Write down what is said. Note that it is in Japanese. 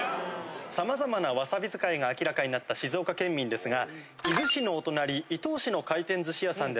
さまざまなわさび使いが明らかになった静岡県民ですが。